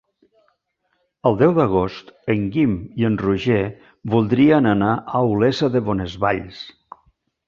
El deu d'agost en Guim i en Roger voldrien anar a Olesa de Bonesvalls.